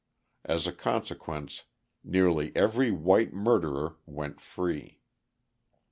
As a consequence, nearly every white murderer went free.